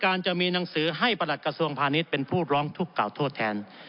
การจะมีหนังสือให้ประหลัดกระทรวงพาณิชย์เป็นผู้ร้องทุกข่าโทษแทน